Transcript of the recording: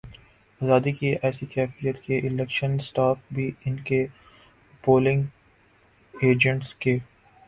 آزادی کی ایسی کیفیت کہ الیکشن سٹاف بھی ان کے پولنگ ایجنٹس کے